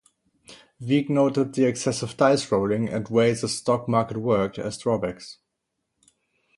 Wieck noted the excessive dice rolling and way the Stock Market worked as drawbacks.